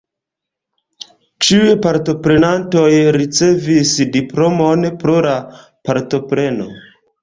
Ĉiuj partoprenantoj ricevas diplomon pro la partopreno.